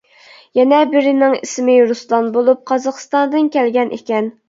يەنە بىرىنىڭ ئىسمى رۇسلان بولۇپ، قازاقىستاندىن كەلگەن ئىكەن.